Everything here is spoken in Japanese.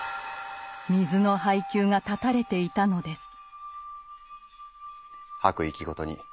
水の配給が断たれていたのです。